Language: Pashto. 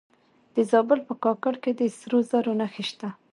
د زابل په کاکړ کې د سرو زرو نښې شته.